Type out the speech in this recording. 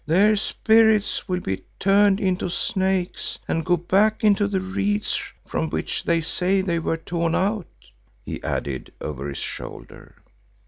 Their spirits will be turned into snakes and go back into the reeds from which they say they were 'torn out,'" he added over his shoulder.